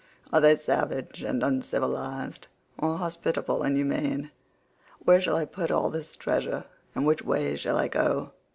Are they savage and uncivilised or hospitable and humane? Where shall I put all this treasure, and which way shall I go?